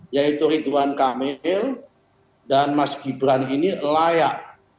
yaitu ridwan kamil dan mas gibran ini layak